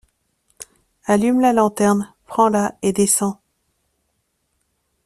Allume la lanterne, prends-la, et descends.